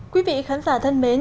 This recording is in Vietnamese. quý vị khán giả thân mến